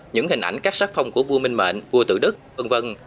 những hình ảnh cắt sắc phong của vua minh mệnh vua tử đức v v